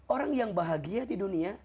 orang yang bahagia di dunia